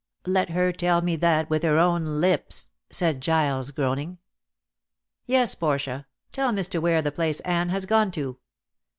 "Let her tell me that with her own lips," said Giles, groaning. "Yes, Portia, tell Mr. Ware the place Anne has gone to."